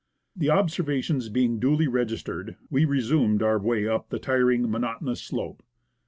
The observations being duly registered, we resume our way up the tiring, monotonous slope.